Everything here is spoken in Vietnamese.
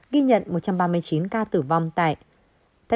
ghi nhận một trăm ba mươi chín ca tử vong tại